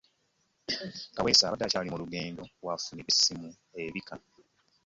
Kaweesa abadde akyali mu lugendo w'afunidde essimu ebika.